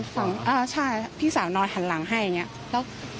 อ่าใช่พี่สาวนอนหันหลังให้อย่างนี้